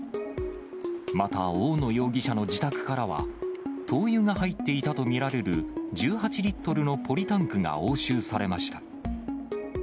また大野容疑者の自宅からは、灯油が入っていたと見られる１８リットルのポリタンクが押収されました。